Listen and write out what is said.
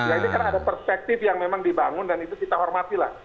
ya itu karena ada perspektif yang memang dibangun dan itu kita hormatilah